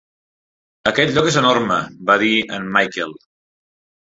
"Aquest lloc és enorme!", va dir en Michael.